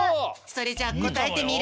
それじゃあこたえてみる？